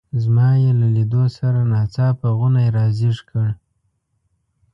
زما یې له لیدو سره ناڅاپه غونی را زېږ کړ.